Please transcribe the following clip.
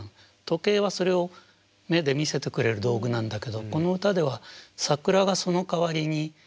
時計はそれを目で見せてくれる道具なんだけどこの歌では桜がその代わりに。